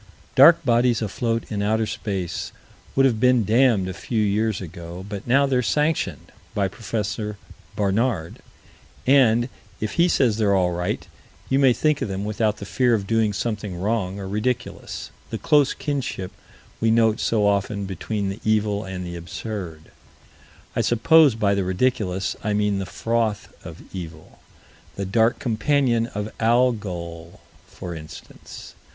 Dark bodies afloat in outer space would have been damned a few years ago, but now they're sanctioned by Prof. Barnard and, if he says they're all right, you may think of them without the fear of doing something wrong or ridiculous the close kinship we note so often between the evil and the absurd I suppose by the ridiculous I mean the froth of evil. The dark companion of Algol, for instance.